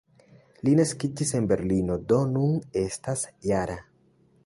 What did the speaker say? Li naskiĝis en Berlino, do nun estas -jara.